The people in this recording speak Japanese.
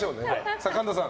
さあ、神田さん。